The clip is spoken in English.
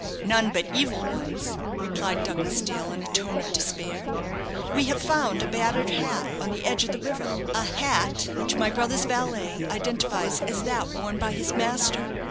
"None but evil ones," replied Douglas Dale, in a tone of despair "we have found a battered hat on the edge of the river hat which my brother's valet identifies as that worn by his master.